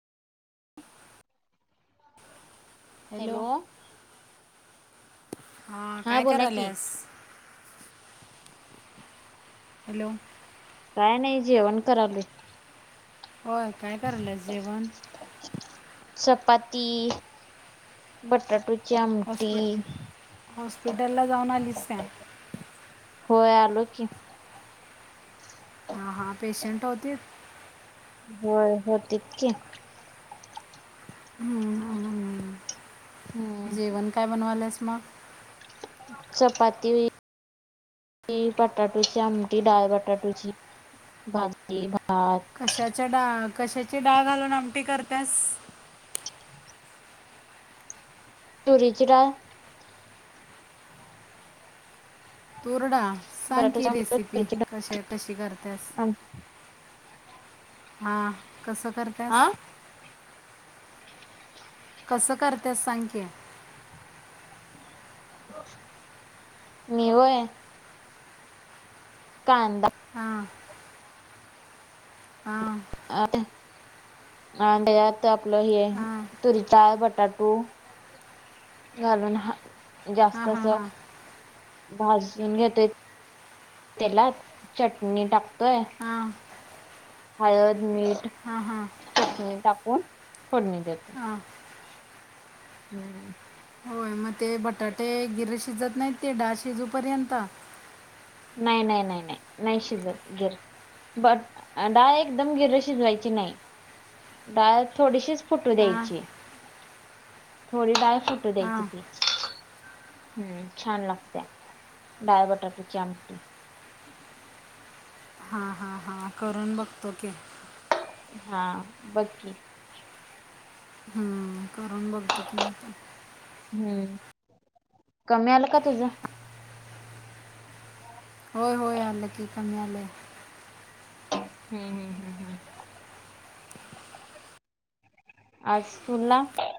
Hello, हा काय बोला की काराल्यास? हॅलो, काय नाही, जेवण करायलो ये. होय, काय करायल्यास जेवण? चपाती, बटाटूची आमटी हॉस्पिटल ला जाऊन आलीस काय? होय आलो की. हां हां पेशंट होतीत? होय होतीत की. हम्म जेवण काय बनवाल्यास मग? चपाती बटाटोची आमटी डाळ बटाटोची, भाजी भात कशाच्या डा कशाची डाळ घालून आमटी करत्यास? तुरीची डाळ. तुरडाळ सांग की बटाटूची आमटी रेसिपी तुरीची कशी कशी करतेस? डाळ मग कसं करत्यास? आ कसं करतेस सांग की मी होय? कांदा हां. हां. अ आणि त्यात आपलं हे हां तुरीची डाळ, बटाटू घालून ह जास्त हां अस हां हां भाजून घेते. तेलात चटणी टाकतोय, हां हळद, मीठ हां हां. चटणी टाकून फोडणी देतेय. हां. हम्म. होय मग ते बटाटे गिर्र शिजत नाहीत? ते डाळ शिजूपर्यंत? नाही नाही नाही नाही नाही शिजत गिर्र. बट डाळ एकदम गिर्र शिजवायची नाही. डाळ थोडीशीच फुटू हां द्यायची. थोडी डाळ फुटू द्यायची हां ती. हम्म छान लागत्या डाळ बटाट्याची आमटी हां हां हां करून बघतो की हां बघ की हम्म, करून बघतो की नाही का? हम्म कमी आलं का तुझं? होय होय आले की कमी आलेय. हम्म हम्म. हम्म हम्म आज स्कूल ला